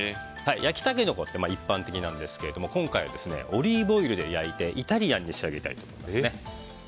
焼きタケノコって一般的なんですが今回はオリーブオイルで焼いてイタリアンで仕上げたいと思います。